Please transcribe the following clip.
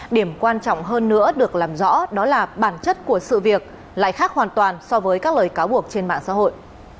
điểm quan trọng hơn nữa được làm rõ đó là bản chất của sự việc lại khác hoàn toàn so với các lời cáo buộc trên mạng xã hội